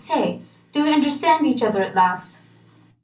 Say! do we understand each other at last?"